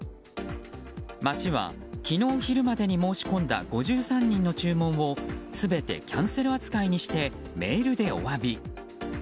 町は昨日昼までに申し込んだ５３人の注文を全てキャンセル扱いにしてメールでお詫び。